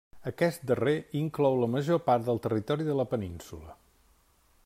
Aquest darrer inclou la major part del territori de la península.